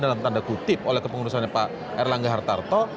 dalam tanda kutip oleh kepengurusannya pak erlangga hartarto